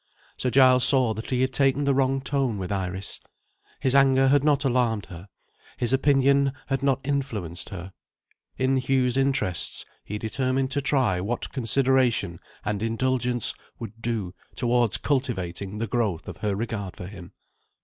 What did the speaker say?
Sir Giles saw that he had taken the wrong tone with Iris. His anger had not alarmed her; his opinion had not influenced her. In Hugh's interests, he determined to try what consideration and indulgence would do towards cultivating the growth of her regard for him.